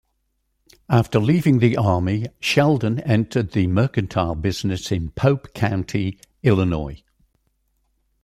After leaving the Army, Sheldon entered the mercantile business in Pope County, Illinois.